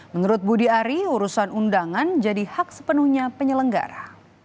menurut budi ari urusan undangan jadi hak sepenuhnya penyelenggara